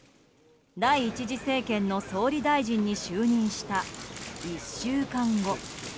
第１次政権の総理大臣に就任した１週間後。